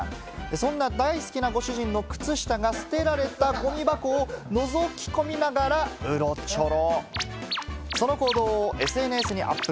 そんな大好きなご主人の靴下が捨てられたゴミ箱を覗き込みながら、うろちょろ。